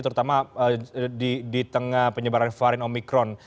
terutama di tengah penyebaran varian omikron